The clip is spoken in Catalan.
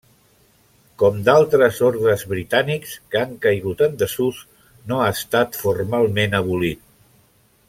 Com d'altres ordes britànics que han caigut en desús, no ha estat formalment abolit.